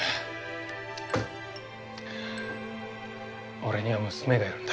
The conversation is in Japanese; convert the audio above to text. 俺には娘がいるんだ。